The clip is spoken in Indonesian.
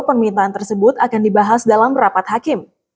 permintaan tersebut akan dibahas dalam rapat hakim